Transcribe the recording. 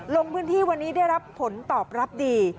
ลงพื้นที่วันนี้ได้รับผลตอบรับดี